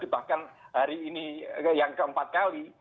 bahkan hari ini yang keempat kali